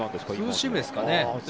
ツーシームですかね。